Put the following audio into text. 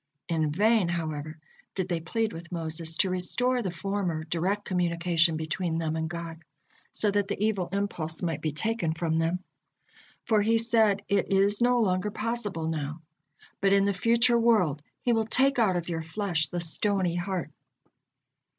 In vain, however, did they plead with Moses to restore the former direct communication between them and God, so that the evil impulse might be taken from them. For he said: "It is no longer possible now, but in the future world He will 'take out of your flesh the stony heart.'"